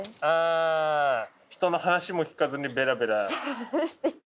あぁ人の話も聞かずにベラベラ。